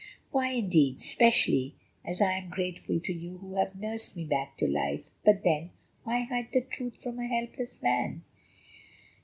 "Why indeed? especially as I am also grateful to you who have nursed me back to life. But then, why hide the truth from a helpless man?"